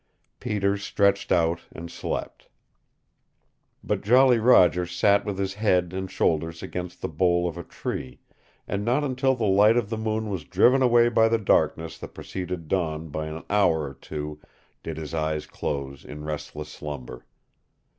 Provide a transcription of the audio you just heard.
Peter stretched out and slept. But Jolly Roger sat with his head and shoulders against the bole of a tree, and not until the light of the moon was driven away by the darkness that preceded dawn by an hour or two did his eyes close in restless slumber.